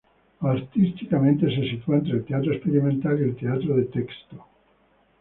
Artísticamente se sitúa entre el teatro experimental y el teatro de texto.